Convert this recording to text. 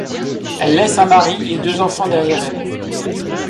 Elle laisse un mari et deux enfants derrière elle.